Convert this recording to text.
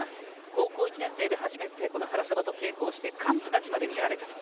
高校１年生で初めて、原沢と稽古をして完膚なきまでにやられたと。